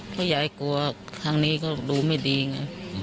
เพราะยายกลัวครั้งนี้ก็ดูไม่ดีไง